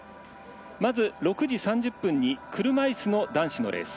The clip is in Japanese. まず、６時３０分に車いすの男子のレース。